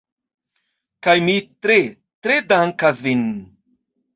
Kaj mi tre, tre dankas vin.